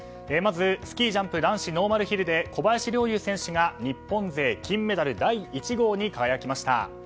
まずスキージャンプ男子ノーマルヒルで小林陵侑選手が日本勢金メダル第１号に輝きました。